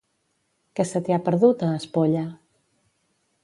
Què se t'hi ha perdut, a Espolla?